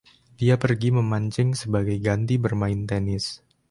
Dia pergi memancing sebagai ganti bermain tenis.